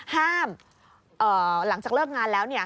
ห้ามหลังจากเลิกงานแล้ว